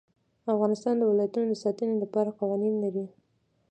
افغانستان د ولایتونو د ساتنې لپاره قوانین لري.